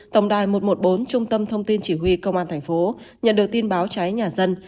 tổng đài một trăm một mươi bốn trung tâm thông tin chỉ huy công an thành phố nhận được tin báo cháy nhà dân